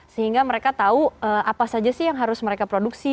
sehingga mereka tahu apa saja sih yang harus mereka produksi